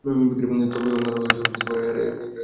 তবে অন্যরা বলেন, এরা ছামূদ জাতি।